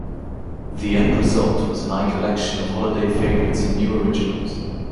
The end result was a lcollection of holiday favorites and new originals.